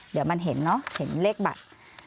เดี๋ยวมันเห็นเนอะเห็นเลขบัตร